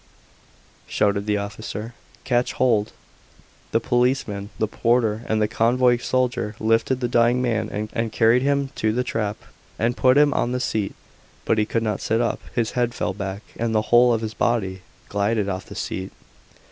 shouted the officer. "Catch hold." The policeman, the porter, and the convoy soldier lifted the dying man and carried him to the trap, and put him on the seat. But he could not sit up; his head fell back, and the whole of his body glided off the seat.